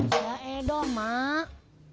ya ada mak